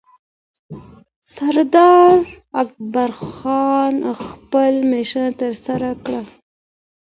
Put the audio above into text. سردار اکبرخان خپل مشن ترسره کړ